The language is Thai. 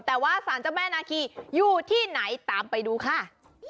แต่ว่าสารเจ้าแม่นาคีอยู่ที่ไหนตามไปดูค่ะ